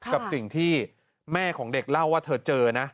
กับสิ่งที่แม่ของเด็กเล่าว่าเธอเจอนะ